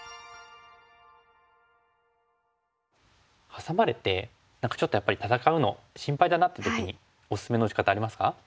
ハサまれてちょっとやっぱり戦うの心配だなって時におすすめの打ち方ありますか？